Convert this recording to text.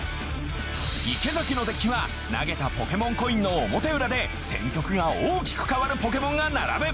池崎のデッキは投げたポケモンコインの表裏で戦局が大きく変わるポケモンが並ぶ。